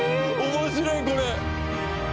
面白いこれ。